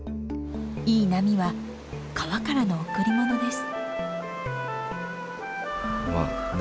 いい波は川からの贈り物です。